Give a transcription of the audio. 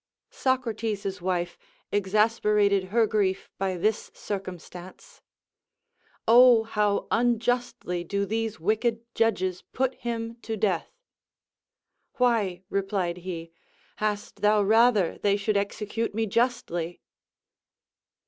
Socrates's wife exasperated her grief by this circumstance: "Oh, how unjustly do these wicked judges put him to death!" "Why," replied he, "hadst thou rather they should execute me justly?"